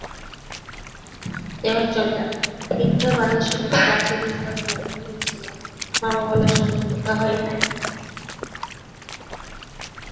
বুদ্ধের বাণী শুনিয়া প্রাচীন ভারত মুগ্ধই হইয়াছিল, নব বলে সঞ্জীবিত হয় নাই।